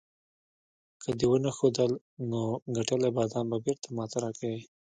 که دې ونه ښودل، نو ګټلي بادام به بیرته ماته راکوې.